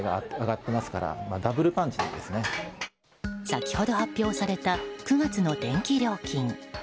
先ほど発表された９月の電気料金。